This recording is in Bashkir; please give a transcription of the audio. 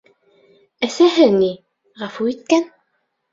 Әсәһе ни, ғәфү иткән.